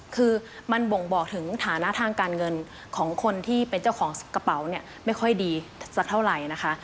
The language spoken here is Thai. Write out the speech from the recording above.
คือมันบ่งบอกถึงฐานะทางการเงินของคนที่เป็นเจ้าของกระเป๋าเนี่ยไม่ค่อยดีสักเท่าไหร่นะคะ